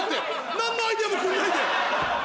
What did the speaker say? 何のアイデアもくれないで。